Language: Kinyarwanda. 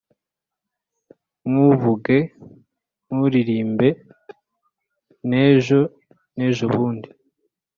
Nkuvuge, nkuririmbe n’ejo nejobundi